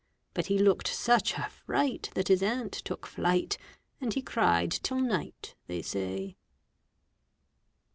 But he looked such a fright That his aunt took flight, And he cried till night, they say.